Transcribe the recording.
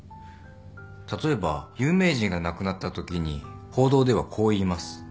例えば有名人が亡くなったときに報道ではこう言います。